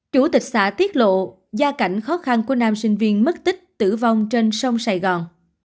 chủ tịch xã tiết lộ gia cảnh khó khăn của nam sinh viên mất tích tử vong trên sông sài gòn